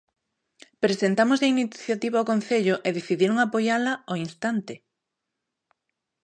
Presentámoslle a iniciativa ao concello e decidiron apoiala ao instante.